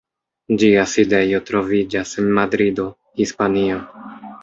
Ĝia sidejo troviĝas en Madrido, Hispanio.